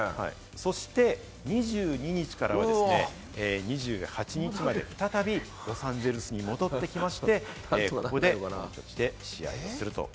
そして２２日からは２８日まで再びロサンゼルスに戻って来まして、ここで試合をすると。